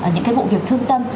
những cái vụ việc thương tâm